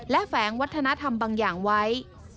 และแฝงวัฒนธรรมบางอย่างไว้